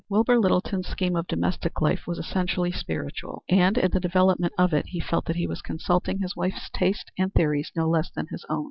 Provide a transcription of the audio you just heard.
Wilbur Littleton's scheme of domestic life was essentially spiritual, and in the development of it he felt that he was consulting his wife's tastes and theories no less than his own.